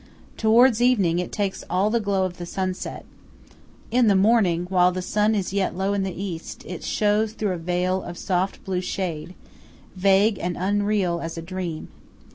Towards evening it takes all the glow of the sunset. In the morning, while the sun is yet low in the east, it shows through a veil of soft blue shade, vague and unreal as a dream.